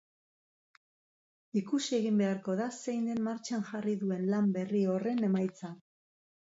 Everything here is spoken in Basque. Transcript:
Ikusi egin beharko da zein den martxan jarri duen lan berri horren emaitza.